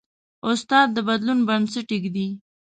استاد د بدلون بنسټ ایږدي.